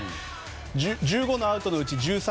１５のアウトのうち１３